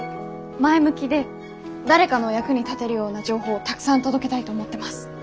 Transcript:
前向きで誰かの役に立てるような情報をたくさん届けたいと思ってます。